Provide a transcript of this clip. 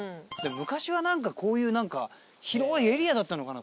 昔は何かこういう何か広いエリアだったのかな